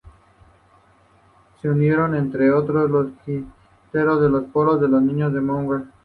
Se unieron, entre otros, los Quintero de Palos o los Niño de Moguer.